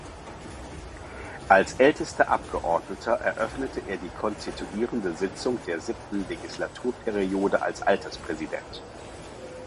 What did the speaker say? Als ältester Abgeordneter eröffnete er die konstituierende Sitzung der siebten Legislaturperiode als Alterspräsident.